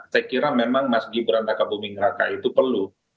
saya kira memang mas gibran takabubingraka itu perlu